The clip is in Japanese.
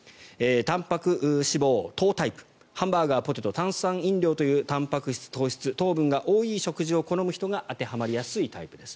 Ｄたんぱく・脂肪・糖タイプハンバーガー、ポテト炭酸飲料という炭水化物が多い食事を好む人が当てはまりやすいタイプです。